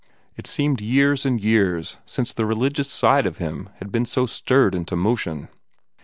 It seemed years and years since the religious side of him had been so stirred into motion.